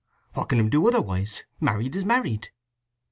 What can 'em do otherwise? Married is married."